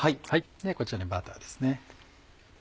こちらにバターですね。